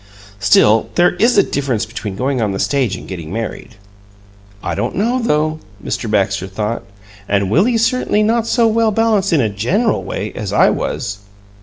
Still, there is a difference between going on the stage and getting married. "I don't know, though!" Mr. Baxter thought. "And Willie's certainly not so well balanced in a GENERAL way as I was."